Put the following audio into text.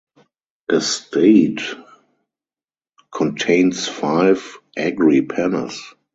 A stade contains five agripennes.